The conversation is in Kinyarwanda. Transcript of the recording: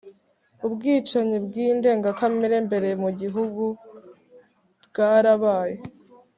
ubwicanyi bwindengakamere imbere mu gihugu bwarabaye.